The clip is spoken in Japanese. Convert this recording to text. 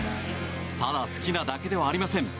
ただ好きなだけではありません。